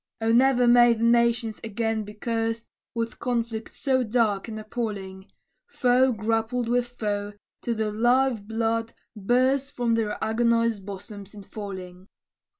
O ne'er may the nations again be cursed With conflict so dark and appalling! Foe grappled with foe, till the life blood burst From their agonized bosoms in falling.